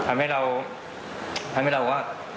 มันมีโอกาสเกิดอุบัติเหตุได้นะครับ